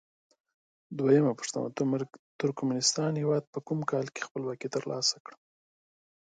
دویمه پوښتنه: د ترکمنستان هیواد په کوم کال کې خپلواکي تر لاسه کړه؟